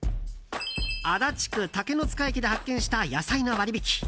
足立区竹ノ塚駅で発見した野菜の割引。